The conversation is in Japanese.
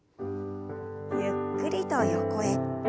ゆっくりと横へ。